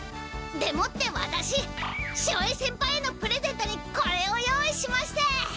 でもってワタシ潮江先輩へのプレゼントにこれを用意しまして！